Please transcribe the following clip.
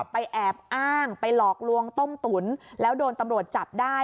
แอบอ้างไปหลอกลวงต้มตุ๋นแล้วโดนตำรวจจับได้